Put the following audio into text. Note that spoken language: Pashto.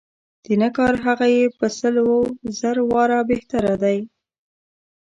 د نه کار هغه یې په سل و زر واره بهتر دی.